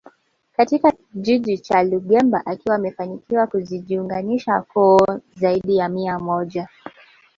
Katika kijiji cha Lungemba akiwa amefanikiwa kuziunganisha koo zaidi ya mia moja